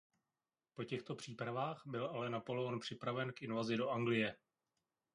Po těchto přípravách byl ale Napoleon připraven k invazi do Anglie.